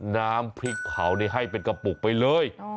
น้ำพริกเผาให้เป็นกระปุกไปเลย